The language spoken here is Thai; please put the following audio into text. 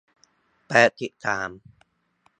แปดสิบสาม